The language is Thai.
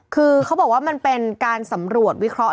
คือเขาบอกว่ามันเป็นการสำรวจวิเคราะห